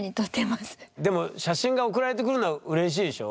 でも写真が送られてくるのはうれしいでしょ？